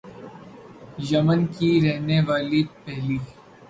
یمن کی رہنے والی پہلی